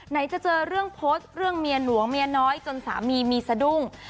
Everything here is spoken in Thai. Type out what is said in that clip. จะเจอเรื่องโพสต์เรื่องเมียหลวงเมียน้อยจนสามีมีสะดุ้ง